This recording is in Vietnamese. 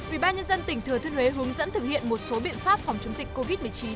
vì ba nhân dân tỉnh thừa thương huế hướng dẫn thực hiện một số biện pháp phòng chống dịch covid một mươi chín